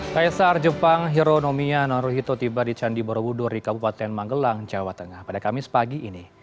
kaisar jepang hironomia naruhito tiba di candi borobudur di kabupaten magelang jawa tengah pada kamis pagi ini